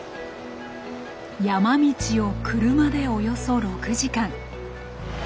山道を車でおよそ６時間。